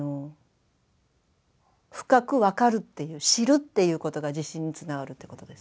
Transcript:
深く分かるっていう知るっていうことが自信につながるってことです。